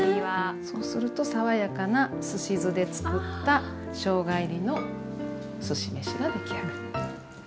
そうすると爽やかなすし酢で作ったしょうが入りのすし飯が出来上がる。